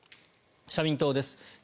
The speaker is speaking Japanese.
社民党です。